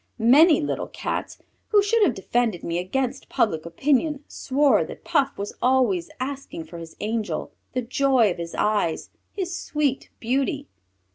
Many little Cats, who should have defended me against public opinion, swore that Puff was always asking for his angel, the joy of his eyes, his sweet Beauty!